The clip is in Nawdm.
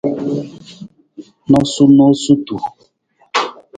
Noosunoosutu.